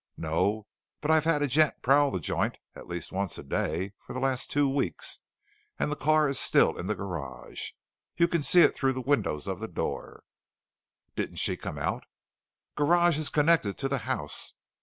"No, but I've had a gent prowl the joint at least once a day for the last two weeks, and the car is still in the garage. You can see it through the windows of the door." "Didn't she come out?" "Garage is connected to the house.